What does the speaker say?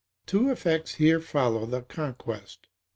Two effects here follow the conquest: 1.